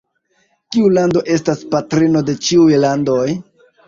Kiu lando estas patrino de ĉiuj landoj?